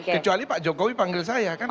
kecuali pak jokowi panggil saya kan